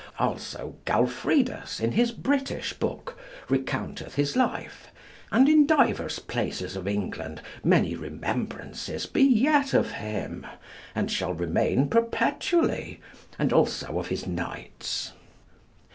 Also Galfridus in his British book recounteth his life, and in divers places of England many remembrances be yet of him, and shall remain perpetually, and also of his knights.